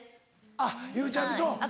あっゆうちゃみと。